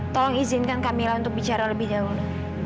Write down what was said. tolong izinkan camilla untuk bicara lebih dahulu